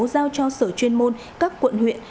giao cho sở chuyên môn các quận huyện